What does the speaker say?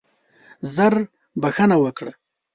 ژر بخښنه وکړه.